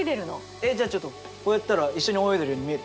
えっじゃあちょっとこうやったら一緒に泳いでるように見える？